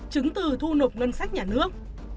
chứng từ thu nộp ngân sách nhà nước